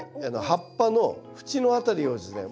葉っぱの縁の辺りをですね